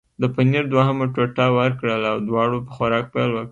د پنیر دوهمه ټوټه ورکړل او دواړو په خوراک پیل وکړ.